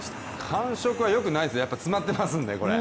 感触はよくないですね、やっぱり詰まってますんで。